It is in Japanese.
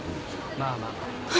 まあまあ。